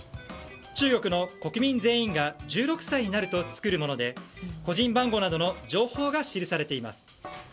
中国の国民全員が１６歳になると作るもので個人番号などの情報が記されています。